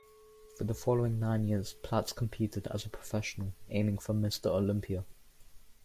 For the following nine years Platz competed as a professional, aiming for Mr. Olympia.